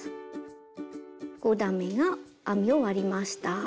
５段めが編み終わりました。